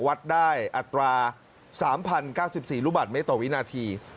วัดได้อัตรา๓๐๙๔ลูกบาทเมตรต่อวินาที